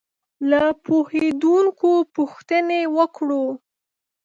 له پوهېدونکو پوښتنې وکړو.